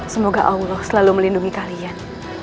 semoga allah selalu melindungi kalian